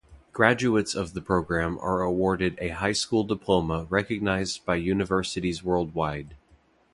Graduates of the program are awarded a high school diploma recognized by universities worldwide.